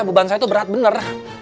beban saya tuh berat bener